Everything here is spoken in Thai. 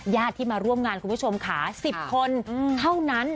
ญาติที่มาร่วมงานคุณผู้ชมค่ะ๑๐คนเท่านั้น